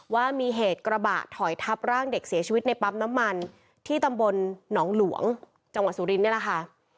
ว่ามีเหตุกระบะถอยทับร่างเด็กเสียชีวิตในปั๊มน้ำมันที่ตำบลหนองหลวงจังหวัดสุรินทร์นี่แหละค่ะ